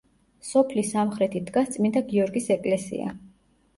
სოფლის სამხრეთით დგას წმინდა გიორგის ეკლესია.